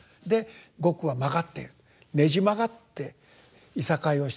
「曲」は曲がっているねじ曲がっていさかいをしてしまうという。